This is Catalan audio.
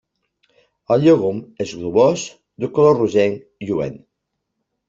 El llegum és globós, de color rogenc lluent.